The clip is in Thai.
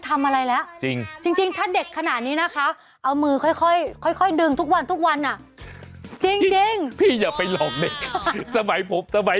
ถ้าฝากหมอไว้เดี๋ยวไปเอา